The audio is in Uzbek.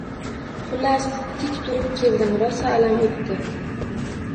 Xullas, tik turib keldim, rosa alam oʻtdi.